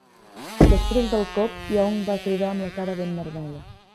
Després del cop, Young va cridar amb la cara ben vermella.